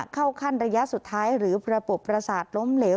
ขั้นระยะสุดท้ายหรือระบบประสาทล้มเหลว